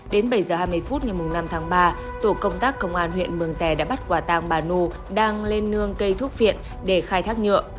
đến bảy h hai mươi phút ngày năm tháng ba tổ công tác công an huyện mường tè đã bắt quả tàng bà nu đang lên nương cây thuốc viện để khai thác nhựa